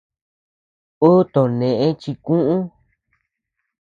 Uu too nëe chikuʼu.